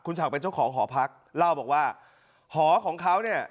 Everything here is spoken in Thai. ฉากเป็นเจ้าของหอพักเล่าบอกว่าหอของเขาเนี่ย